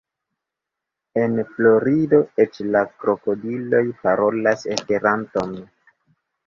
En Florido eĉ la krokodiloj parolas Esperanton!